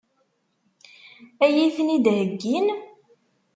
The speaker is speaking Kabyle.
Ad iyi-ten-id-heggin?